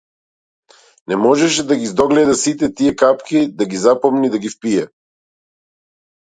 Не можеше да ги здогледа сите тие капки, да ги запомни, да ги впие.